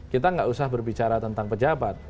kita nggak usah berbicara tentang pejabat